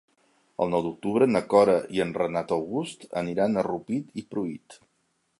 El nou d'octubre na Cora i en Renat August aniran a Rupit i Pruit.